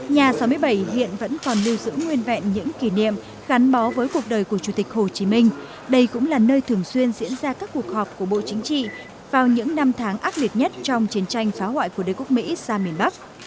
nhà sáu mươi bảy hiện vẫn còn lưu giữ nguyên vẹn những kỷ niệm gắn bó với cuộc đời của chủ tịch hồ chí minh đây cũng là nơi thường xuyên diễn ra các cuộc họp của bộ chính trị vào những năm tháng ác liệt nhất trong chiến tranh phá hoại của đế quốc mỹ sang miền bắc